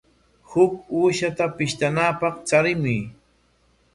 Huk uushata pishtanapaq charimuy.